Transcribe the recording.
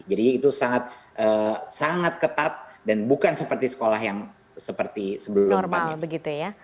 jadi itu sangat ketat dan bukan seperti sekolah yang seperti sebelumnya